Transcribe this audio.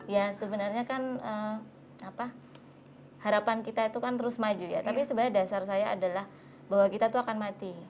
ya sebenarnya kan harapan kita itu kan terus maju ya tapi sebenarnya dasar saya adalah bahwa kita tuh akan mati